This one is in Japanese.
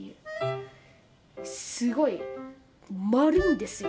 すごい丸いんですよ